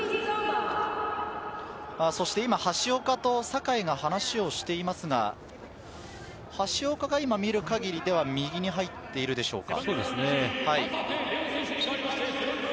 今、橋岡と酒井が話をしていますが、橋岡が見るかぎりでは右に入っているでしょうか？